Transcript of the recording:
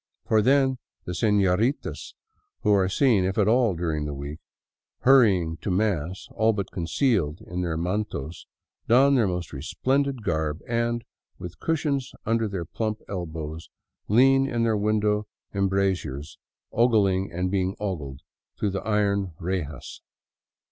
For then the senoritas who are seen, if at all, during the week, hurrying to mass all but concealed in their mantos, don their most resplendent garb and, with cushions under their plump elbows, lean in their window embrazures oggling and being oggled through the iron rejas.